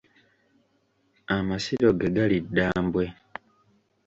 Amasiro ge gali Ddambwe.